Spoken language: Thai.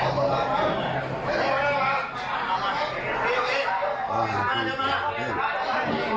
ขอบคุณขอบคุณเรียบร้อยแล้ว